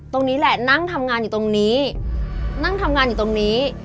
ตรงนี้แหละนั่งทำงานอยู่ตรงนี้นั่งทำงานอยู่ตรงนี้